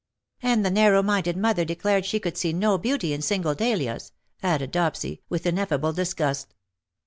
"And the narrow minded mother declared she could see no beauty in single dahlias," added Dopsy, with ineffable disgust.